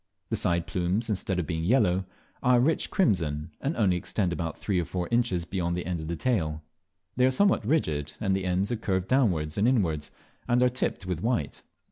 The side plumes, instead of being yellow, are rich crimson, and only extend about three or four inches beyond the end of the tail; they are somewhat rigid, and the ends are curved downwards and inwards, and are tipped with white.